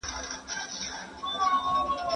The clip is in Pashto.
کله چې تدریس مینه ولري نو پوهنه خوندوره کیږي.